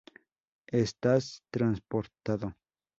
Estás transportado.